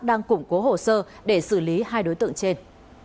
đang củng cố hồ sơ để xử lý hai đối tượng trên